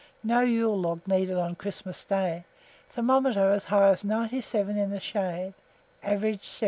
No yule log needed on Christmas Day. Thermometer as high as 97 in the shade; average 75.